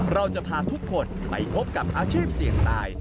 เราจะพาทุกคนไปพบกับอาชีพเสี่ยงตาย